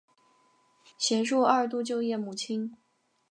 协助二度就业母亲